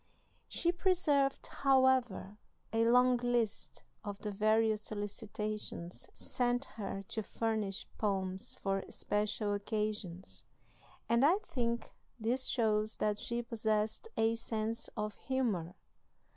She preserved, however, a long list of the various solicitations sent her to furnish poems for special occasions, and I think this shows that she possessed a sense of humor.